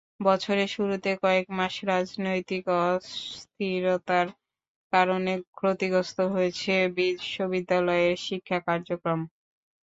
বছরের শুরুতে কয়েক মাস রাজনৈতিক অস্থিরতার কারণে ক্ষতিগ্রস্ত হয়েছে বিশ্ববিদ্যালয়ের শিক্ষা কার্যক্রম।